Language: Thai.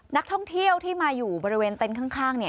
นักท่องเที่ยวที่มาอยู่บริเวณเต็นต์ข้าง